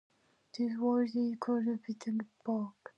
This would of course be Carlaw Park.